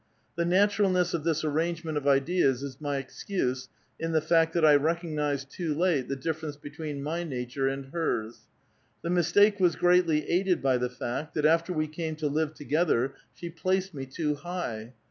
The naturalness of this arranorement of ideas is my excuse, in the fact that I recognized too late the difference between my nature and hers. The mistake was greatly aided by the fact that after we came to live to gether, she placed me too high.